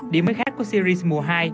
điểm mới khác của series mùa hai